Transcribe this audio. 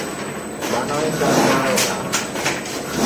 Mano e chal mar oganda.